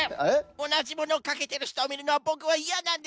おなじものをかけてるひとをみるのはボクはいやなんです！